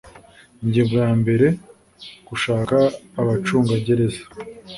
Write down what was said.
Ingingo ya mbere Gushaka abacungagereza